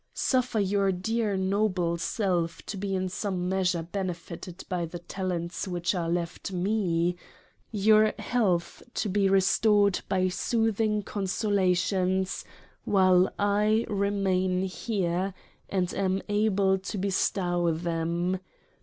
Suffer your dear noble self to be in some measure benefited by the Talents which are left me ; Your health to be restored by soothing consolations while / remain here, and am able to bestow them.